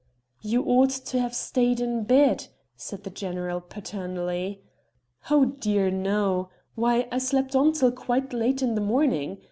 "You ought to have stayed in bed," said the general paternally. "Oh dear no! why I slept on till quite late in the morning.